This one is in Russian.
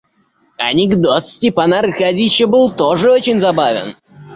Анекдот Степана Аркадьича был тоже очень забавен.